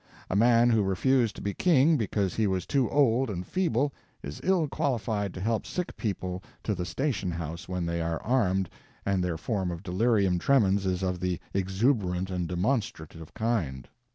A man who refused to be king because he was too old and feeble, is ill qualified to help sick people to the station house when they are armed and their form of delirium tremens is of the exuberant and demonstrative kind.